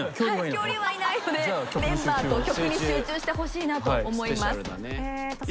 恐竜はいないのでメンバーと曲に集中してほしいなと思います。